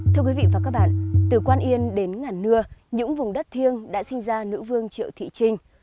thưa quý vị và các bạn từ quan yên đến ngàn nưa những vùng đất thiêng đã sinh ra nữ vương triệu thị trinh